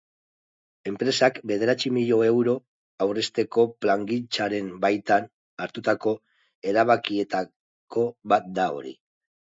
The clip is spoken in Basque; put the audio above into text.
Enpresak bederatzi milioi euro aurrezteko plangintzaren baitan hartutako erabakietako bat da hori.